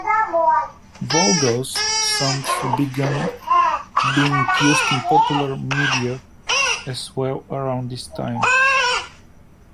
Voegele's songs began being used in popular media as well around this time.